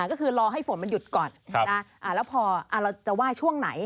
ก็คือรอให้ฝนมันหยุดก่อนแล้วพอเราจะไหว้ช่วงไหน